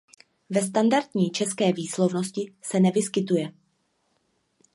Ve standardní české výslovnosti se nevyskytuje.